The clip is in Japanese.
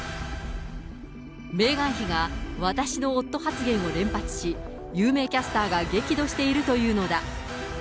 メーガン妃が私の夫発言を連発し、有名キャスターが激怒しているというのだ。